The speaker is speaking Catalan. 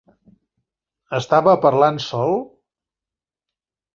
Estava parlant sol?